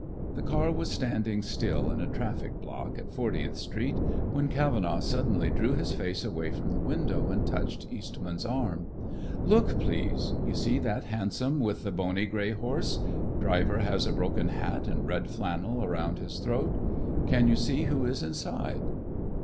The car was standing still in a traffic block at Fortieth Street, when Cavenaugh suddenly drew his face away from the window and touched Eastman's arm. "Look, please. You see that hansom with the bony gray horse driver has a broken hat and red flannel around his throat. Can you see who is inside?"